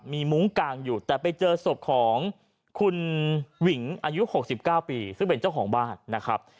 มีมุ้งกางอยู่แต่ไปเจอศพของคุณหญิงอายุ๖๙ปีซึ่งเป็นเจ้าของบ้านนะครับ